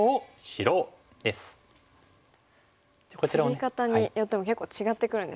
ツギ方によっても結構違ってくるんですか。